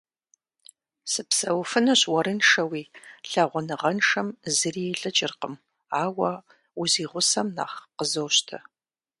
Сыпсэуфынущ уэрыншэуи, лъэгъуныгъэншэм зыри илӏыкӏыркъым, ауэ узигъусэм нэхъ къызощтэ.